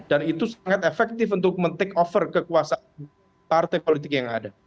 dan itu sangat efektif untuk men take over kekuasaan partai politik yang ada